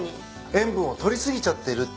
塩分を取り過ぎちゃってるっていう。